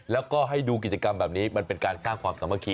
แล้วก็ให้ดูกิจกรรมแบบนี้มันเป็นการสร้างความสามัคคี